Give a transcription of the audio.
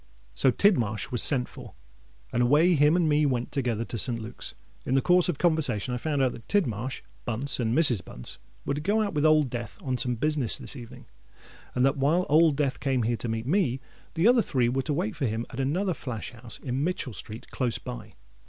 _'—So Tidmarsh was sent for; and away him and me went together to St. Luke's. In the course of conversation I found out that Tidmarsh, Bunce, and Mrs. Bunce were to go out with Old Death on some business this evening; and that while Old Death came here to meet me, the other three were to wait for him at another flash house in Mitchell Street close by."